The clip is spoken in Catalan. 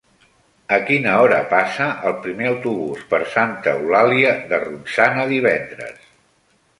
A quina hora passa el primer autobús per Santa Eulàlia de Ronçana divendres?